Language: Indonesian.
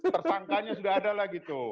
tersangkanya sudah ada lah gitu